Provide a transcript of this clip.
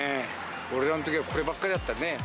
俺らのときはこればっかりだったね。